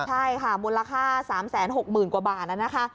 ใช่ค่ะมูลค่า๓๖๐๐๐กว่าบาทนะคะ